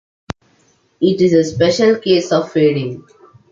It is a special case of fading.